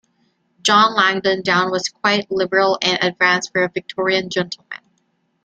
John Langdon Down was quite liberal and advanced for a Victorian gentleman.